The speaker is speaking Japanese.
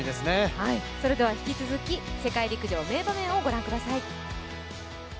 それでは引き続き世界陸上名場面をご覧ください。